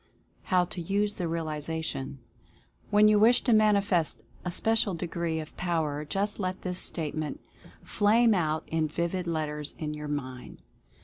HOW TO USE THE REALIZATION. When you wish to manifest a special degree of Power just let this Statement flame out in vivid let ters in your mind.